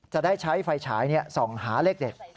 จะได้ใช้ไฟฉายส่องหาเลขเด็ด